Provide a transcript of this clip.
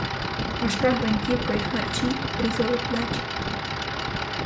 Важка гвинтівка й харчі різали плечі.